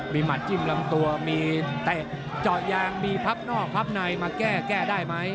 มีหัดจิ้มลำตัวมีเตะเจาะยางมีพับนอกพับในมาแก้แก้ได้ไหม